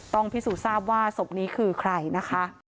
พิสูจนทราบว่าศพนี้คือใครนะคะ